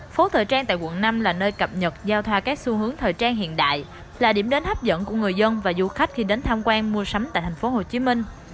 phố thời trang tại quận năm là nơi cập nhật giao thoa các xu hướng thời trang hiện đại là điểm đến hấp dẫn của người dân và du khách khi đến tham quan mua sắm tại tp hcm